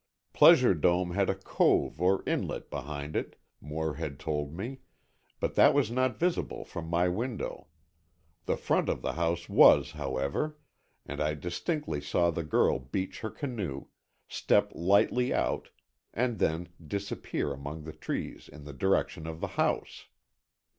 Pleasure Dome had a cove or inlet behind it, Moore had told me, but that was not visible from my window. The front of the house was, however, and I distinctly saw the girl beach her canoe, step lightly out and then disappear among the trees in the direction of the house.